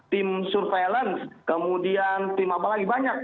tim surveillance kemudian tim apa lagi banyak